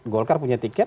golkar punya tiket